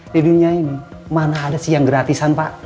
di dunia ini mana ada sih yang gratisan pak